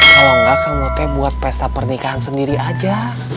kalau nggak kan mau teh buat pesta pernikahan sendiri aja